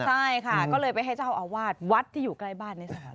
ใช่ค่ะก็เลยไปให้เจ้าอาวาสวัดที่อยู่ใกล้บ้านในศาล